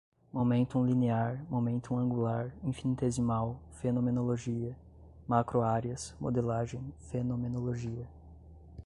momentum linear, momentum angular, infinitesimal, fenomenologia, macro-áreas, modelagem, fenomenologia